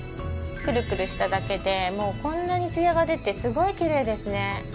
くるくるしただけでこんなにツヤが出てすごいきれいですね。